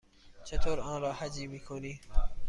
چطور آن را هجی می کنی؟